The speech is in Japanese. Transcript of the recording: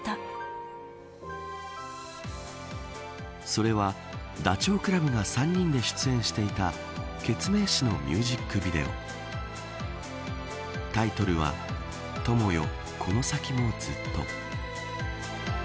それはダチョウ倶楽部が３人で出演していたケツメイシのミュージックビデオタイトルは友よ